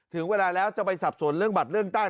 ถึงเวลาแล้วจะไปสับสนเรื่องบัตรเลือกตั้ง